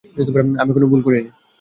আমি কোনও ভুল করিনি।